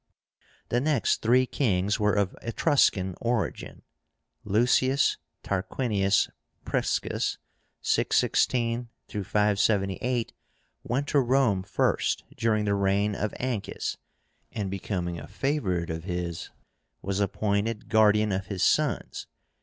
The next three kings were of Etruscan origin. LUCIUS TARQUINIUS PRISCUS (616 578) went to Rome first during the reign of Ancus, and, becoming a favorite of his, was appointed guardian of his sons.